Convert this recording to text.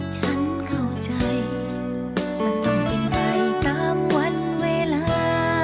ฉันเข้าใจมันต้องไม่ไปตามวันเวลา